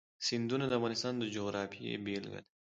سیندونه د افغانستان د جغرافیې بېلګه ده.